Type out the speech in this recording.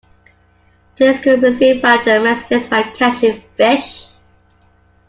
Players could receive random messages by catching fish.